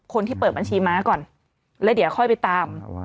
คนที่เปิดบัญชีม้าก่อนแล้วเดี๋ยวค่อยไปตาม